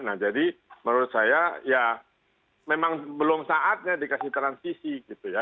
nah jadi menurut saya ya memang belum saatnya dikasih transisi gitu ya